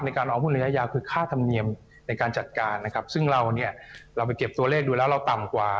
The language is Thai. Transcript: การลองหุ้นระยะยาวคือค่าธรรมเนียมในการจัดการนะครับซึ่งเราเนี่ยเราไปเก็บตัวเลขดูแล้วเราต่ำกว่า